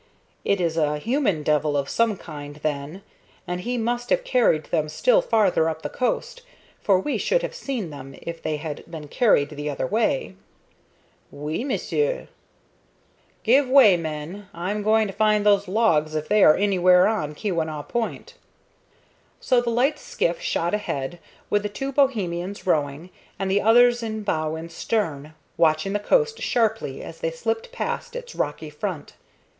"It is a human devil of some kind, then, and he must have carried them still farther up the coast, for we should have seen them if they had been carried the other way." "Oui, m'sieu." "Give way, men! I'm going to find those logs if they are anywhere on Keweenaw Point." So the light skiff shot ahead, with the two Bohemians rowing, and the others in bow and stern, watching the coast sharply as they slipped past its rocky front.